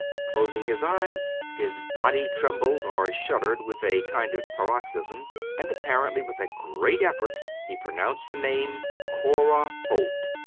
Closing his eyes, his body trem bled or shuddered with a kind of pardxysm, and apparently with a great effort he pronounced the name " Cora Holt."